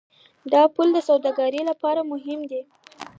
دا پوله د سوداګرۍ لپاره مهمه ده.